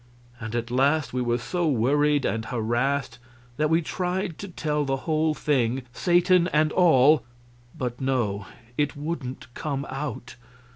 And at last we were so worried and harassed that we tried to tell the whole thing, Satan and all but no, it wouldn't come out.